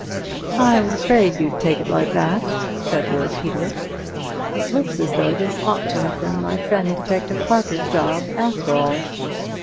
"I was afraid you'd take it like that," said Lord Peter. "It looks as though this ought to have been my friend Detective Parker's job, after all."